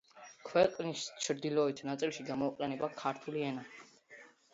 ქვეყნის ჩრდილოეთ რეგიონებში გამოიყენება ქურთული ენა.